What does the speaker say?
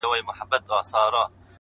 ستا د څوڼو ځنگلونه زمـا بــدن خـوري _